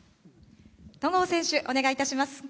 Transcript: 戸郷選手、お願いいたします。